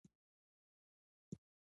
ملګري سره ورسېدلم.